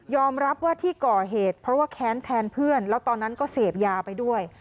รับว่าที่ก่อเหตุเพราะว่าแค้นแทนเพื่อนแล้วตอนนั้นก็เสพยาไปด้วย